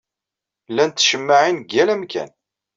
Llant tcemmaɛin deg yal amkan.